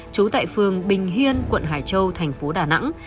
trú tại phường bình hiên quận hải châu thành phố đà nẵng